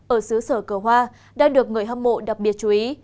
ở xứ sở cờ hoa đang được người hâm mộ đặc biệt chú ý